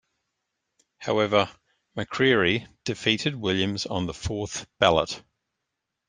However, McCreary defeated Williams on the fourth ballot.